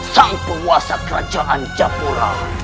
sang penguasa kerajaan japura